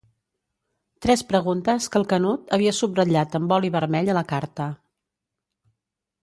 Tres preguntes que el Canut havia subratllat amb boli vermell a la carta.